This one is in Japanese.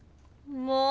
もう！